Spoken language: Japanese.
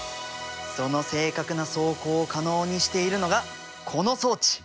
その正確な走行を可能にしているのがこの装置。